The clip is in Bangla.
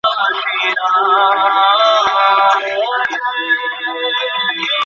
স্বপ্ন দেখছেন বাংলাদেশ আগামী বিশ্বকাপ জয়ী হবে এবং তাতে অবদান থাকবে মুস্তাফিজের।